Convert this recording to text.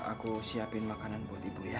aku siapin makanan buat ibu ya